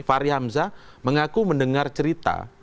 fahri hamzah mengaku mendengar cerita